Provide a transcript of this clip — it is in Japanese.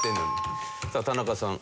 さあ田中さん。